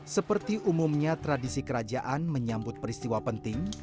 seperti umumnya tradisi kerajaan menyambut peristiwa penting